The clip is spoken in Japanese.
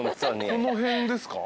この辺ですか？